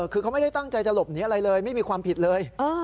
คือเขาไม่ได้ตั้งใจจะหลบหนีอะไรเลยไม่มีความผิดเลย